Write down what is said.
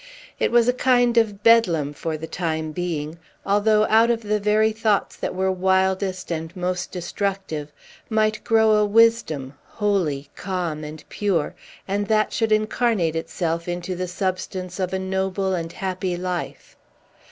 It was a kind of Bedlam, for the time being, although out of the very thoughts that were wildest and most destructive might grow a wisdom, holy, calm, and pure, and that should incarnate itself with the substance of a noble and happy life.